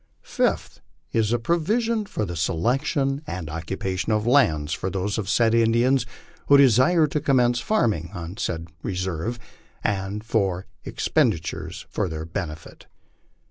Fifth. Is a provision for the selection and occupation of lands for those of said Indians who desire to commence farming on said reserve, and for expendi tures for their benefit.